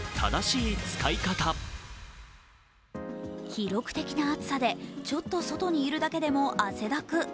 記録的な暑さでちょっと外にいるだけでも汗だく。